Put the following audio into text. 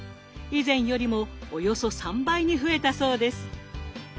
以前よりもおよそ３倍に増えたそうです。